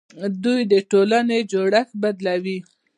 دوی د ټولنې جوړښت بدلوي.